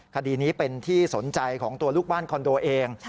คดีนี้เป็นที่สนใจของตัวลูกบ้านคอนโดเอง